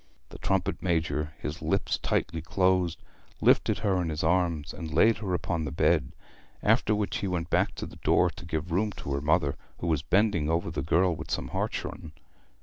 The trumpet major, his lips tightly closed, lifted her in his arms, and laid her upon the bed; after which he went back to the door to give room to her mother, who was bending over the girl with some hartshorn.